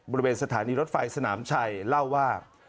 บริเวณสถานีรถไฟสนามชัยเล่าว่า